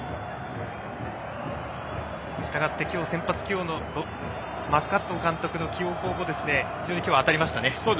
したがって今日、先発マスカット監督の起用も非常に当たりましたね。